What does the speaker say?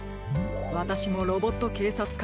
わたしもロボットけいさつ